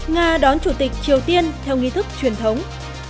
nga đón chủ tịch triều tiên theo nghi thức truyền thống